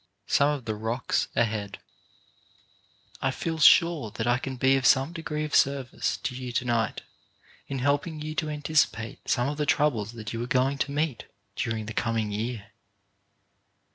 SOME OF THE ROCKS AHEAD I feel sure that I can be of some degree of ser vice to you to night, in helping you to anticipate some of the troubles that you are going to meet during the coming year.